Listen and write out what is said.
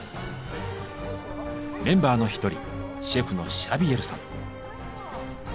メンバーの一人シェフのシャビエルさん。